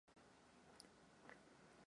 Skončila válka.